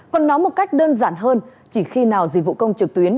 còn nói một cách đơn giản hơn chỉ khi nào dịch vụ công trực tuyến